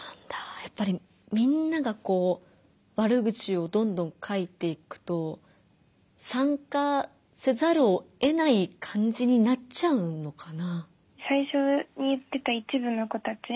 やっぱりみんながこう悪口をどんどん書いていくと参加せざるをえない感じになっちゃうのかな？